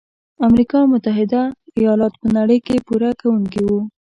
امریکا متحد ایلاتو په نړۍ کې پوره کوونکي وو.